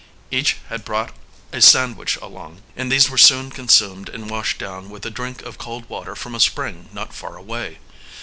Each had brought a sandwich along, and these were soon consumed and washed down with a drink of cold water from a spring not far away.